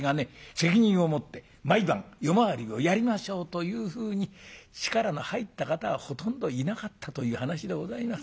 責任を持って毎晩夜回りをやりましょうというふうに力の入った方はほとんどいなかったという話でございます。